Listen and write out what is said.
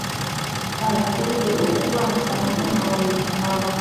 wala kuvu ijapokuwa anafanana na wawili hao